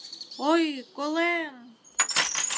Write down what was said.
Ой, колем!..